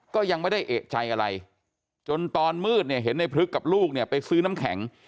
ก็ยังไม่ได้เอกใจอะไรจนตอนมืดเนี่ยเห็นในพลึกกับลูกเนี่ยไปซื้อน้ำแข็ง